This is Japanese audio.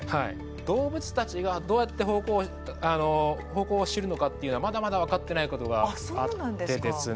動物たちがどうやって方向を知るのかっていうのはまだまだ分かってないことがあってですね